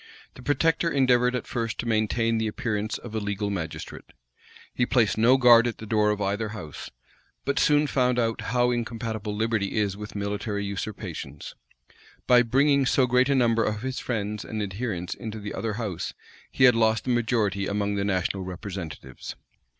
The protector endeavored at first to maintain the appearance of a legal magistrate. He placed no guard at the door of either house; but soon found how incompatible liberty is with military usurpations. By bringing so great a number of his friends and adherents into the other house he had lost the majority among the national representatives.